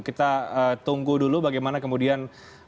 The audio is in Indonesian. kita tunggu dulu bagaimana kemudian